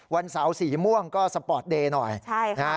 วันเสาร์สีม่วงก็สปอร์ตเดย์หน่อยใช่ค่ะ